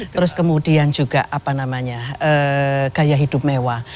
terus kemudian juga apa namanya gaya hidup mewah